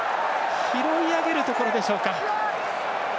拾い上げるところでしょうか。